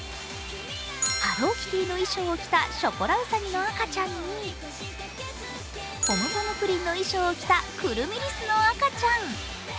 ハローキティの衣装を着たショコラウサギの赤ちゃんにポムポムプリンの衣装を着たくるみリスの赤ちゃん。